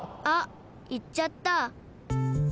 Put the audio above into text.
あっいっちゃった。